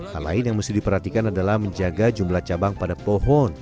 hal lain yang mesti diperhatikan adalah menjaga jumlah cabang pada pohon